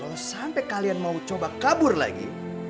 oh sampai kalian mau coba kabur lagi